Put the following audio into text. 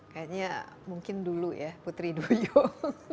kayaknya mungkin dulu ya putri duyung